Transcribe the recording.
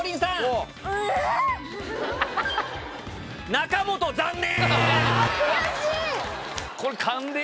⁉中元残念！